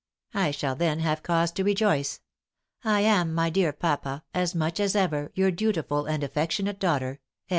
I shall then have cause to rejoice. I am, my dear papa, as much as ever, your dutiful and affectionate daughter.